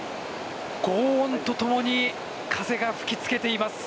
ごう音とともに風が吹きつけています。